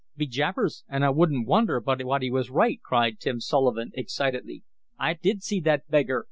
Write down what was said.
"Be jabbers an' I wouldn't wonder but what he was right!" cried Tim Sullivan, excitedly. "I did see that beggar."